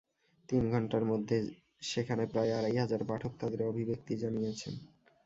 তিন ঘণ্টার মধ্যে সেখানে প্রায় আড়াই হাজার পাঠক তাঁদের অভিব্যক্তি জানিয়েছেন।